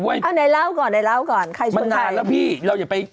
เอาไหนเล่าก่อนไหนเล่าก่อนใครชนนานแล้วพี่เราอย่าไป